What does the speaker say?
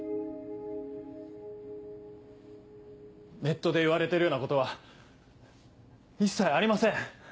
ネットでいわれているようなことは一切ありません。